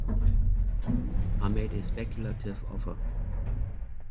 I made a speculative offer.